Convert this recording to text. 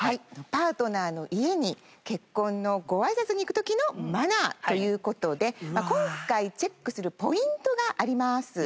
パートナーの家に結婚のご挨拶に行く時のマナーという事で今回チェックするポイントがあります。